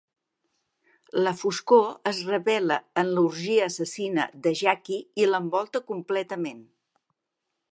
La Foscor es revela en l'orgia assassina de Jackie i l'envolta completament.